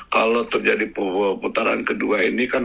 kalau terjadi putaran kedua ini kan